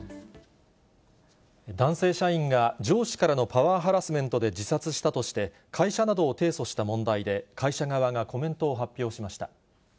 男性社員が上司からのパワーハラスメントで自殺したとして、会社などを提訴した問題で、会社側がコメントを発表しました。